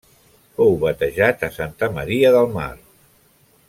Fou batejat a Santa Maria del Mar.